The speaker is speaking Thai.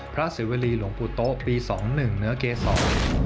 พระศิวารีหลงปูโต้ปีสองหนึ่งเนื้อเกษฐ์สอง